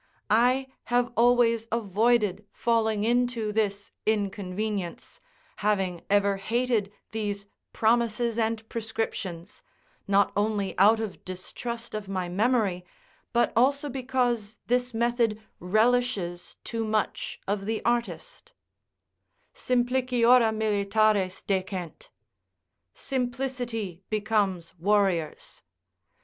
I have always avoided falling into this inconvenience, having ever hated these promises and prescriptions, not only out of distrust of my memory, but also because this method relishes too much of the artist: "Simpliciora militares decent." ["Simplicity becomes warriors."